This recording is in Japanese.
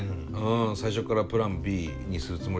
最初からプランＢにするつもりだったよ